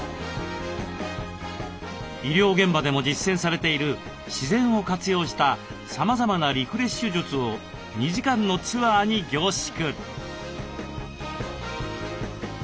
医療現場でも実践されている自然を活用したさまざまなリフレッシュ術を２時間のツアーに凝縮。